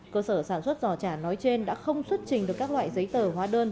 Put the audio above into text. cơ sở sản xuất giò chả nói trên đã không xuất trình được các loại giấy tờ hóa đơn